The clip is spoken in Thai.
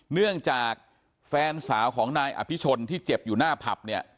เนื่องจากแฟนสาวของนายอภิชนที่เจ็บอยู่หน้าผับเนี่ย